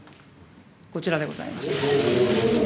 こちらでございます。